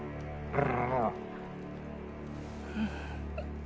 ああ。